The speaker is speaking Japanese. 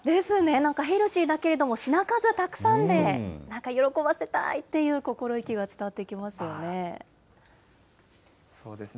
なんかヘルシーだけれども、品数がたくさんで、なんか喜ばせたいっていう心意気が伝わってきますよね。